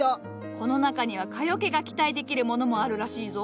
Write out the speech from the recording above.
この中には蚊よけが期待できるものもあるらしいぞ。